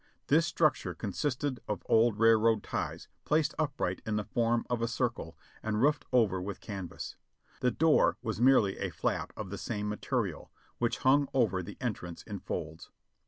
This structure con sisted of old railroad ties placed upright in the form of a circle and roofed over with canvas. The door was merely a flap of the same material, which hung over the entrance in folds.